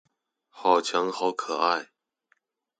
好強好可愛